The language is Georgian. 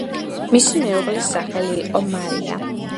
მისი მეუღლის სახელი იყო მარია.